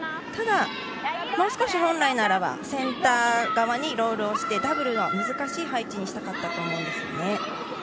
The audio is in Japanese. ただもう少し本来ならば、センター側にロールして、ダブルは難しい配置にしたかったと思うんですけれどね。